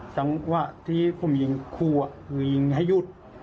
จำว่าที่ผมยิงครูคือยิงให้หยุด